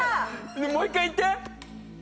もう１回言って！